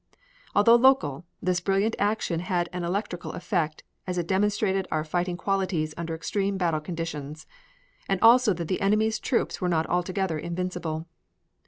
Although local, this brilliant action had an electrical effect, as it demonstrated our fighting qualities under extreme battle conditions, and also that the enemy's troops were not altogether invincible.